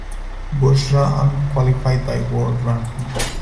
Busra Un qualified by world ranking.